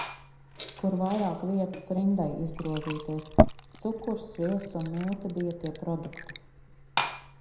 Kur vairāk vietas rindai izgrozīties. Cukurs, sviests un milti bija tie produkti.